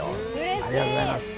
ありがとうございます。